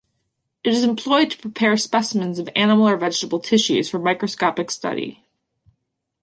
It is employed to prepare specimens of animal or vegetable tissues for microscopic study.